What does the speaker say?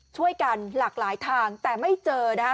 ช่วยเหลือหลากหลายทางแต่ไม่เจอนะคะ